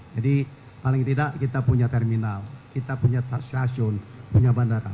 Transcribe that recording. jadi paling tidak kita punya terminal kita punya stasiun punya bandara